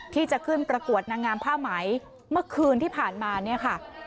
ที่จะขึ้นประกวดนางงามผ้าไหมเมื่อคืนที่ผ่านมาเนี่ยค่ะ